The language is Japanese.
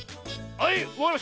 はい。